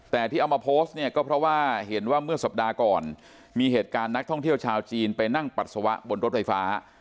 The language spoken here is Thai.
แต่ที่เอามาโพสต์เนี่ยก็เพราะว่าเห็นว่าเมื่อสัปดาห์ก่อนมีเหตุการณ์นักท่องเที่ยวชาวจีนไปนั่งปัสสาวะบนรถไฟฟ้า